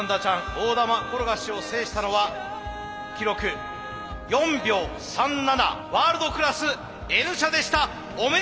大玉転がしを制したのは記録４秒３７ワールドクラスＮ社でした。